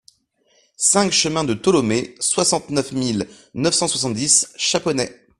cinq chemin de Tholomé, soixante-neuf mille neuf cent soixante-dix Chaponnay